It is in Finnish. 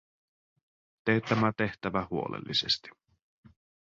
Tee tämä tehtävä huolellisesti.